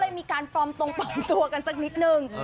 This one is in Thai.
มีการปลอมตรงปลอมตัวกันสักนิดนึง